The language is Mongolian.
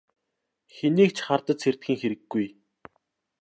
Хэнийг ч хардаж сэрдэхийн хэрэггүй.